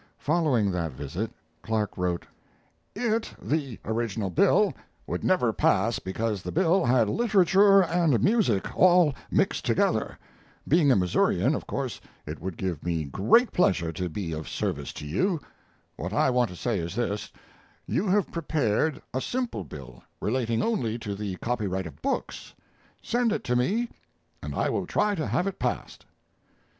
Following that visit, Clark wrote: ... It [the original bill] would never pass because the bill had literature and music all mixed together. Being a Missourian of course it would give me great pleasure to be of service to you. What I want to say is this: you have prepared a simple bill relating only to the copyright of books; send it to me and I will try to have it passed.